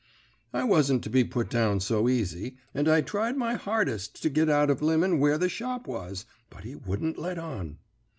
"I wasn't to be put down so easy, and I tried my hardest to git out of Lemon where the shop was, but he wouldn't let on.